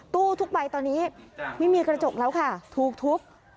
ตู้ทุกใบตอนนี้ไม่มีกระจกแล้วค่ะถูกทุบ